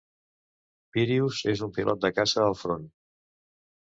Pirius és un pilot de caça al front.